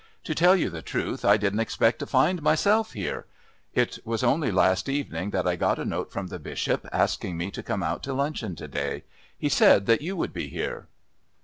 "To tell you the truth, I didn't expect to find myself here. It was only last evening that I got a note from the Bishop asking me to come out to luncheon to day. He said that you would be here."